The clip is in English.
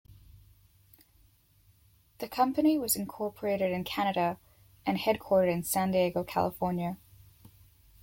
The company was incorporated in Canada and headquartered in San Diego, California.